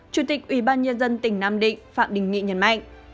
chủ tịch ubnd tỉnh nam định phạm đình nghị nhấn mạnh